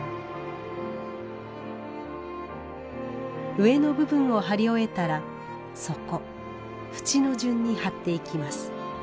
上の部分を貼り終えたら底縁の順に貼っていきます。